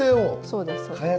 そうですそうです。